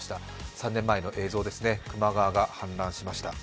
３年前の映像ですね、球磨川が氾濫しました。